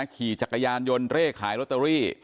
ขี่จักรยานยนต์เร่ขายลอตเตอรี่